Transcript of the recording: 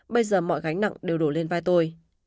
bây giờ mọi gánh nặng đều đổ lên vai tôi